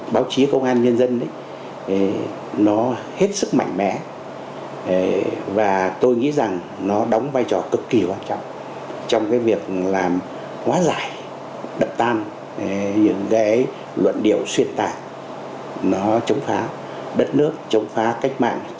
báo chí công an nhân dân sẽ tiếp tục đổi mới trong tư duy